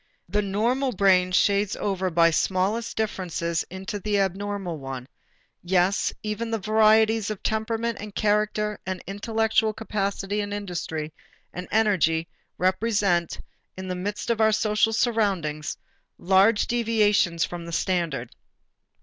The normal brain shades over by smallest differences into the abnormal one; yes, even the varieties of temperament and character and intellectual capacity and industry and energy represent, in the midst of our social surroundings, large deviations from the standard.